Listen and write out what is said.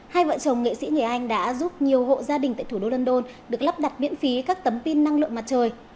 hai vợ chồng nghệ sĩ người anh đã giúp nhiều hộ gia đình tại thủ đô london được lắp đặt miễn phí các tấm pin năng lượng mặt trời